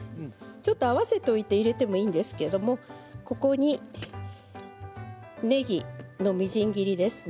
ちょっと、合わせておいて入れてもいいんですけれどここに、ねぎのみじん切りですね。